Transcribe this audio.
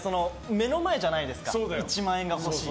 目の前じゃないですか１万円が欲しい。